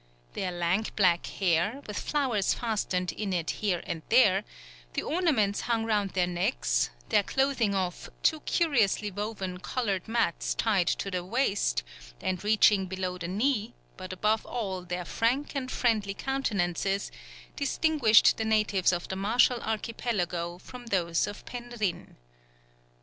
Their lank black hair, with flowers fastened in it here and there, the ornaments hung round their necks, their clothing of "two curiously woven coloured mats tied to the waist" and reaching below the knee, but above all their frank and friendly countenances, distinguished the natives of the Marshall archipelago from those of Penrhyn.